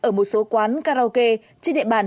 ở một số quán karaoke trên địa bàn